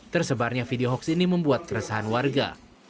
tersebarnya video hoax ini membuat keresahan warga